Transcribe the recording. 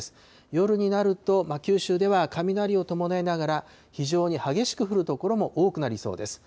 夜になると、九州では雷を伴いながら、非常に激しく降る所も多くなりそうです。